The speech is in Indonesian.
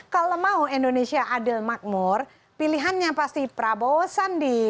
kalau mau indonesia adil makmur pilihannya pasti prabowo sandi